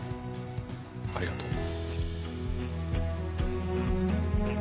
ありがとう。